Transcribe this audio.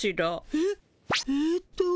えっ？えっと。